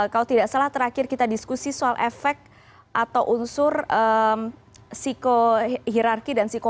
kalau tidak salah terakhir kita diskusi soal efek atau unsur psikohirarki dan psiko